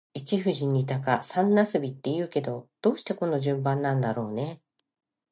一富士、二鷹、三茄子って言うけど、どうしてこの順番なんだろうね。